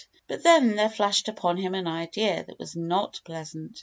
But then there flashed upon him an idea that was not so pleasant.